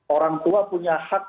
orang tua punya hak